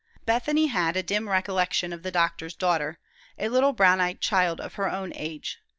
Bethany had a dim recollection of the doctor's daughter, a little brown eyed child of her own age.